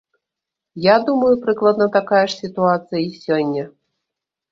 Я думаю, прыкладна такая ж сітуацыя і сёння.